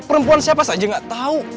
perempuan siapa saja gak tau